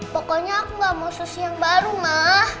pokoknya aku nggak mau sus yang baru ma